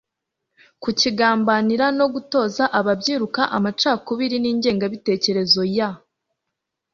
ku kigambanira no gutoza ababyiruka amacakuri n ingengabitekerezo ya